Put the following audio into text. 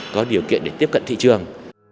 có điều kiện để tiếp cận thị trường